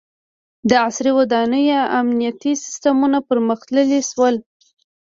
• د عصري ودانیو امنیتي سیستمونه پرمختللي شول.